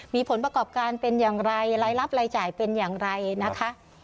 มีผลประกอบการเป็นอย่างไรรายรับรายจ่ายเป็นอย่างไรนะคะ